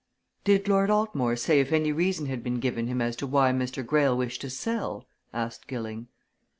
"Did Lord Altmore say if any reason had been given him as to why Mr. Greyle wished to sell?" asked Gilling.